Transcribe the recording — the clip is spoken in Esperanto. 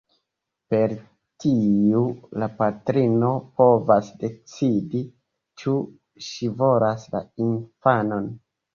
Per tiu la patrino povas decidi, ĉu ŝi volas la infanon.